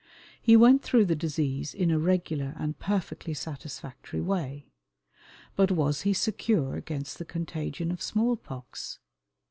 He went through the disease in a regular and perfectly satisfactory way. But was he secure against the contagion of small pox?